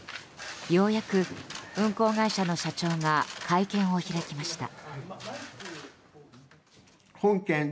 ようやく運航会社の社長が会見を開きました。